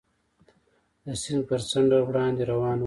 د سیند پر څنډه وړاندې روان ووم.